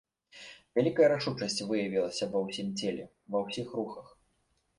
Вялікая рашучасць выявілася ва ўсім целе, ва ўсіх рухах.